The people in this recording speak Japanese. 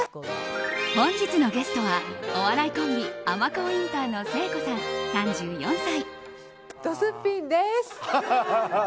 本日のゲストはお笑いコンビ尼神インターの誠子さん、３４歳。